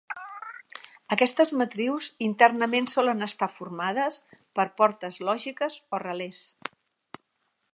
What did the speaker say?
Aquestes matrius internament solen estar formades, per portes lògiques o relés.